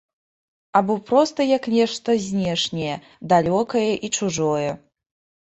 Або проста як нешта знешняе, далёкае і чужое.